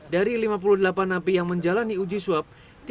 dari lima puluh delapan napi yang menjalani uji swab